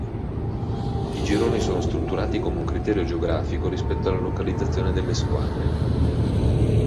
I gironi sono strutturati con un criterio geografico rispetto alla localizzazione delle squadre.